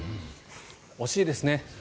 惜しいですね。